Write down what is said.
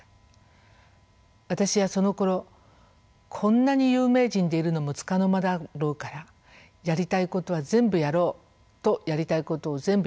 私はそのころ「こんなに有名人でいるのもつかの間だろうからやりたいことは全部やろう」とやりたいことを全部やりました。